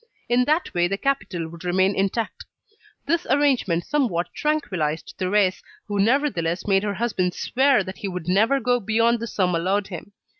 In that way the capital would remain intact. This arrangement somewhat tranquillised Thérèse, who nevertheless made her husband swear that he would never go beyond the sum allowed him.